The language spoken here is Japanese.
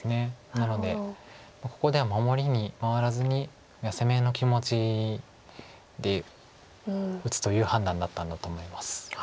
なのでここでは守りに回らずに攻めの気持ちで打つという判断だったんだと思います。